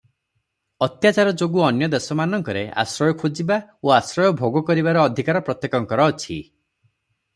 ଅତ୍ୟାଚାର ଯୋଗୁ ଅନ୍ୟ ଦେଶମାନଙ୍କରେ ଆଶ୍ରୟ ଖୋଜିବା ଓ ଆଶ୍ରୟ ଭୋଗକରିବାର ଅଧିକାର ପ୍ରତ୍ୟେକଙ୍କର ଅଛି ।